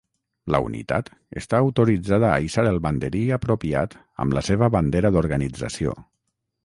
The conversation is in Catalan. La unitat està autoritzada a hissar el banderí apropiat amb la seva bandera d'organització.